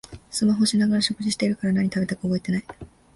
スマホしながら食事してるから何食べたか覚えてない